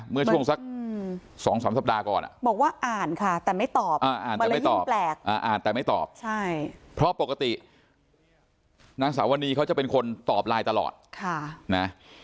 เมื่อช่วงสัก๒๓สัปดาห์ก่อน